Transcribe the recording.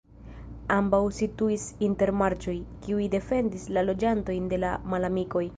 Ambaŭ situis inter marĉoj, kiuj defendis la loĝantojn de la malamikoj.